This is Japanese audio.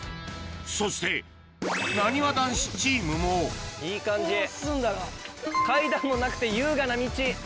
そしてなにわ男子チームもいい感じ階段もなくて優雅な道。